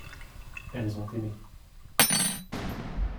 Elles ont aimé.